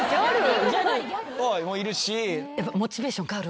いるし。